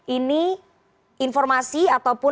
ini informasi ataupun